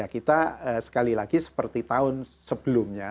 kita sekali lagi seperti tahun sebelumnya